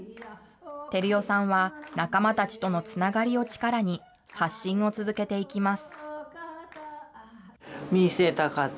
照代さんは、仲間たちとのつながりを力に、発信を続けていきます。